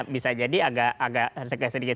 bisa jadi agak sedikit